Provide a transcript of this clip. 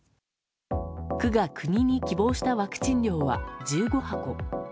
区が国に希望したワクチン量は１５箱。